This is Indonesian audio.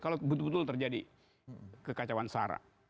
kalau betul betul terjadi kekacauan sara